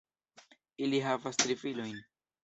Ili havas tri filojn.